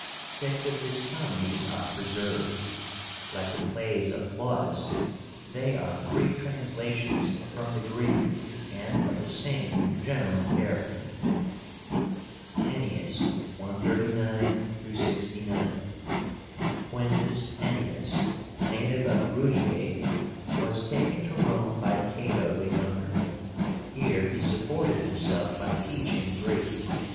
Six of his comedies are preserved. Like the plays of Plautus, they are free translations from the Greek, and of the same general character. ENNIUS (139 69). QUINTUS ENNIUS, a native of Rudiae, was taken to Rome by Cato the Younger. Here he supported himself by teaching Greek.